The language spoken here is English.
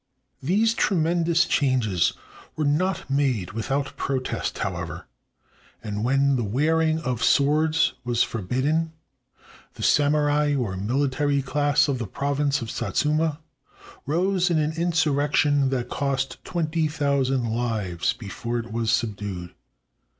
These tremendous changes were not made without protest, however, and when the wearing of swords was forbidden, the samurai or military class of the province of Satsuma rose in an insurrection that cost 20,000 lives before it was subdued.